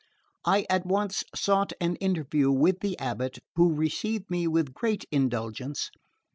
I at once sought an interview with the Abbot, who received me with great indulgence.